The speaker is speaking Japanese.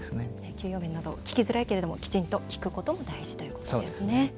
給与面など聞きづらいけれどもきちんと聞くことも大事ということですね。